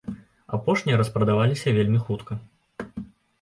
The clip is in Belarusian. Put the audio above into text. Апошнія распрадаваліся вельмі хутка.